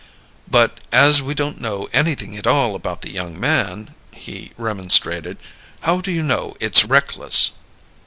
"But as we don't know anything at all about the young man," he remonstrated, "how do you know it's reckless?"